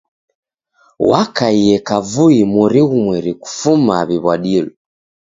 W'akaie kavui mori ghumweri kufuma w'iw'adilo.